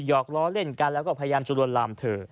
หอกล้อเล่นกันแล้วก็พยายามจะลวนลามเธอ